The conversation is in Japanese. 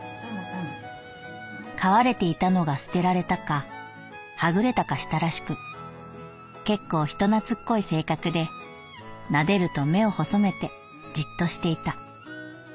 「飼われていたのが捨てられたかはぐれたかしたらしく結構人懐っこい性格で撫でると目を細めてじっとしていた」。